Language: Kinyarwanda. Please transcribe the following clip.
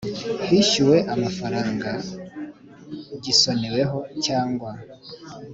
Hishyuwe amafaranga gisonewe cyangwa